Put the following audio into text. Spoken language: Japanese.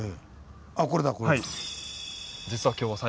あっこれだこれだ。